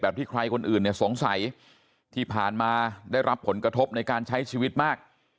ที่ใครคนอื่นเนี่ยสงสัยที่ผ่านมาได้รับผลกระทบในการใช้ชีวิตมาก